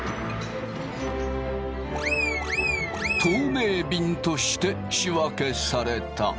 透明びんとして仕分けされた。